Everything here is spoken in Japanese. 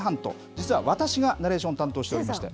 実は私がナレーション担当しておりまして。